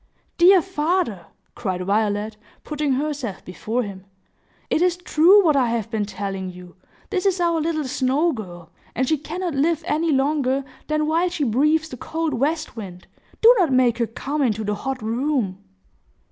"Dear father," cried Violet, putting herself before him, "it is true what I have been telling you! This is our little snow girl, and she cannot live any longer than while she breathes the cold west wind. Do not make her come into the hot room!"